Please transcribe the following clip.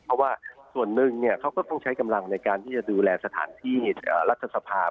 เพราะว่าส่วนหนึ่งเขาก็ต้องใช้กำลังในการที่จะดูแลสถานที่รัฐสภาพ